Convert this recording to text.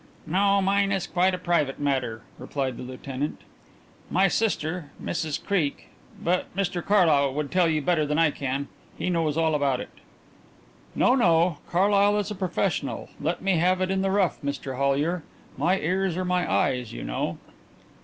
"No, mine is quite a private matter," replied the lieutenant. "My sister, Mrs Creake but Mr Carlyle would tell you better than I can. He knows all about it." "No, no; Carlyle is a professional. Let me have it in the rough, Mr Hollyer. My ears are my eyes, you know."